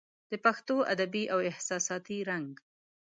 د پښتو ادبي او احساساتي رنګ